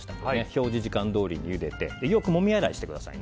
表示時間通りにゆでてよくもみ洗いをしてください。